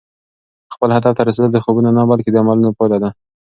خپل هدف ته رسېدل د خوبونو نه، بلکې د عملونو پایله ده.